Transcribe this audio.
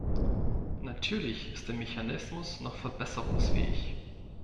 Natürlich ist der Mechanismus noch verbesserungsfähig.